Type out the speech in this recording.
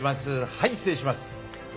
はい失礼します。